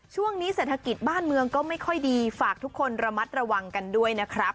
ช่วงนี้เศรษฐกิจบ้านเมืองก็ไม่ค่อยดีฝากทุกคนระมัดระวังกันด้วยนะครับ